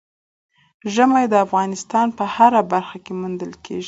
ژمی د افغانستان په هره برخه کې موندل کېږي.